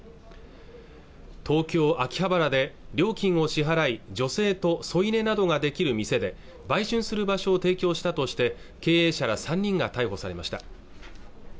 東京秋葉原で料金を支払い女性と添い寝などができる店で売春する場所を提供したとして経営者ら３人が逮捕されました